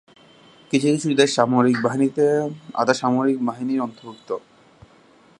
কিছু কিছু দেশের সামরিক বাহিনীতে আধাসামরিক বাহিনী অন্তর্ভুক্ত।